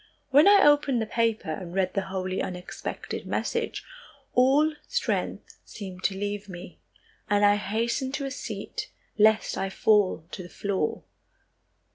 When I opened the paper and read the wholly unexpected message, all strength seemed to leave me, and I hastened to a seat, lest I fall to the floor.